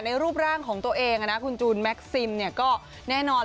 ในรูปร่างของตัวเองอ่ะนะคุณจูนแม็กซิมเนี่ยก็แน่นอน